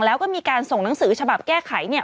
แล้วมีการส่งหนังสือฉบับแก้ไข